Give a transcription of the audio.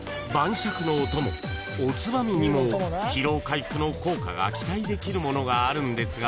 ［おつまみにも疲労回復の効果が期待できるものがあるんですが］